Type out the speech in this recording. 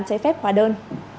trái phép hóa đơn